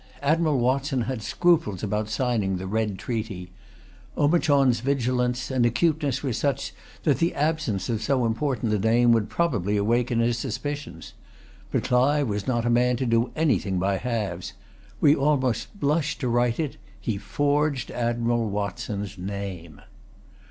Admiral Watson had scruples about signing the red treaty. Omichund's vigilance and acuteness were such that the absence of so important a name would probably awaken his suspicions. But Clive was not a man to do anything by halves. We almost blush to write it. He forged Admiral Watson's name.